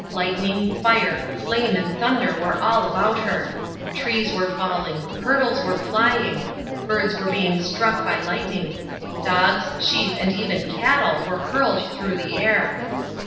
Lightning, fire, flame, and thunder were all about her. Trees were falling, hurdles were flying, birds were being struck by lightning. Dogs, sheep and even cattle were hurled through the air.